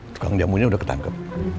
tukang jamunya udah ketangkep